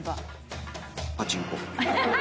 パチンコ。